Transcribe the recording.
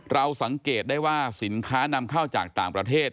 เราสังเกตได้ว่าสินค้านำเข้าจากต่างประเทศ